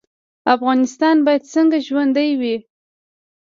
افغانستان باید څنګه ژوندی وي؟